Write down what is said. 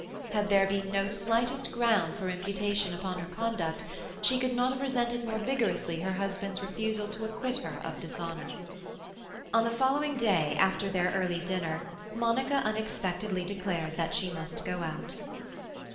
Had there been no slightest ground for imputation upon her conduct, she could not have resented more vigorously her husband's refusal to acquit her of dishonour. On the following day, after their early dinner, Monica unexpectedly declared that she must go out.